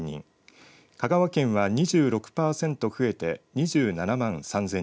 香川県は２６パーセント増えて２７万３０００人